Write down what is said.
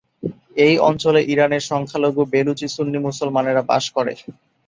এই অঞ্চলে ইরানের সংখ্যালঘু বেলুচি সুন্নী মুসলমানেরা বাস করেন।